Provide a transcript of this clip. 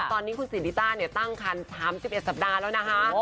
ตอนนี้คุณศรีริต้าเนี่ยตั้งคัน๓๑สัปดาห์แล้วนะคะ